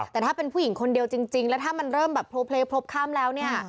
แต่ถ้าเป็นผู้หญิงคนเดียวจริงแล้วถ้ามันเริ่มแบบโพลเพลย์พลบข้ามแล้วเนี่ย